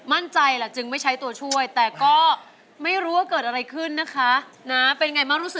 มั่นใจแหละจึงไม่ใช้ตัวช่วยแต่ก็ไม่รู้ว่าเกิดอะไรขึ้นนะคะ